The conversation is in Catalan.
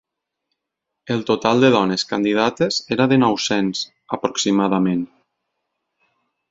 El total de dones candidates era de nou-cents, aproximadament.